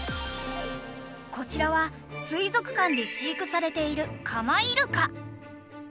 こちらは水族館で飼育されているカマイルカ。